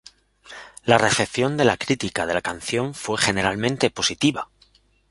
La recepción de la crítica de la canción fue generalmente positiva.